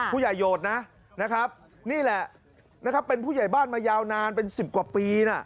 ผู้ใหญ่โยดนะครับนี่แหละเป็นผู้ใหญ่บ้านมายาวนานเป็น๑๐กว่าปี